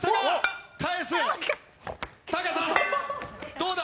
どうだ？